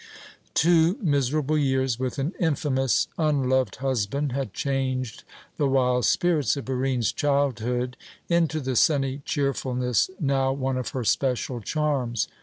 Two miserable years with an infamous, unloved husband had changed the wild spirits of Barine's childhood into the sunny cheerfulness now one of her special charms.